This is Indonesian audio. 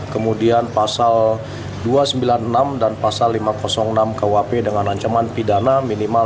kemudian pasal dua ratus sembilan puluh enam dan pasal lima ratus enam kuhp dengan ancaman pidana minimal